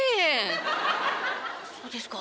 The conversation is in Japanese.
「そうですか。